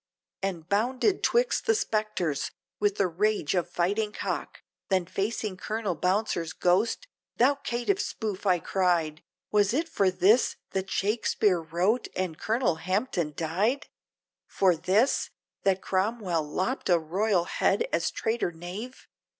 And bounded twixt the spectres, with the rage of fighting cock, Then facing Colonel Bouncer's Ghost, "Thou caitiff spook" I cried, "Was it for this, that Shakespeare wrote, and Colonel Hampden died? For this! that Cromwell lopped a royal head as traitor knave?